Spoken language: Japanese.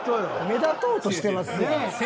目立とうとしてますやん。